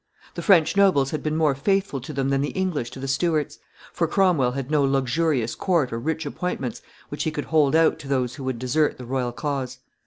The French nobles had been more faithful to them than the English to the Stuarts, for Cromwell had no luxurious court or rich appointments which he could hold out to those who would desert the royal cause.